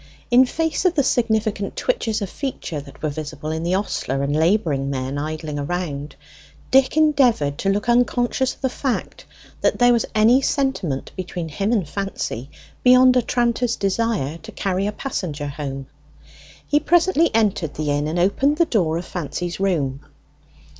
In face of the significant twitches of feature that were visible in the ostler and labouring men idling around, Dick endeavoured to look unconscious of the fact that there was any sentiment between him and Fancy beyond a tranter's desire to carry a passenger home. He presently entered the inn and opened the door of Fancy's room.